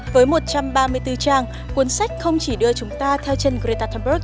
với một trăm ba mươi bốn trang cuốn sách không chỉ đưa chúng ta theo chân greta thuberg